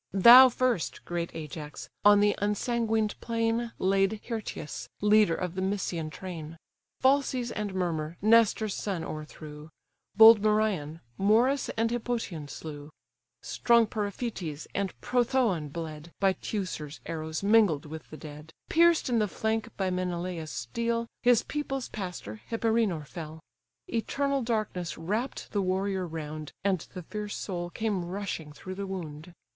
Thou first, great Ajax! on the unsanguined plain Laid Hyrtius, leader of the Mysian train. Phalces and Mermer, Nestor's son o'erthrew, Bold Merion, Morys and Hippotion slew. Strong Periphaetes and Prothoon bled, By Teucer's arrows mingled with the dead, Pierced in the flank by Menelaus' steel, His people's pastor, Hyperenor fell; Eternal darkness wrapp'd the warrior round, And the fierce soul came rushing through the wound.